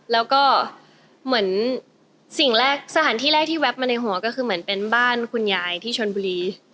แล้วก็เหมือนสิ่งแรกสถานที่แรกที่แป๊บมาในหัวก็คือเหมือนเป็นบ้านคุณยายที่ชนบุรี